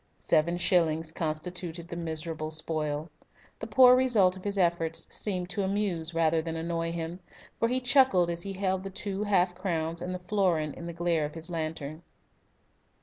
Seven shillings constituted the miserable spoil. The poor result of his efforts seemed to amuse rather than annoy him, for he chuckled as he held the two half crowns and the florin in the glare of his lantern.